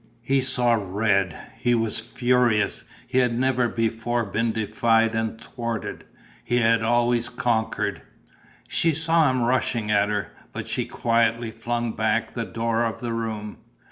He saw red, he was furious. He had never before been defied and thwarted; he had always conquered. She saw him rushing at her, but she quietly flung back the door of the room.